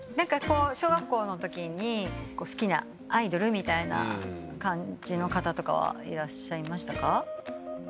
小学校のときに好きなアイドルみたいな感じの方はいらっしゃいましたか？